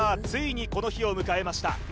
ついにこの日を迎えました